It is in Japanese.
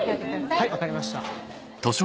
はい分かりました。